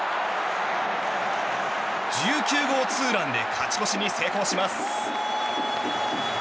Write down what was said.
１９号ツーランで勝ち越しに成功します。